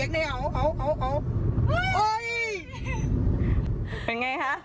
เป็นไงคะ